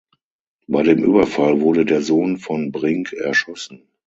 Bei dem Überfall wurde der Sohn von Brink erschossen.